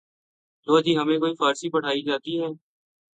لو جی ہمیں کوئی فارسی پڑھائی جاتی ہے